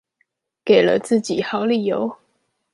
給了自己好理由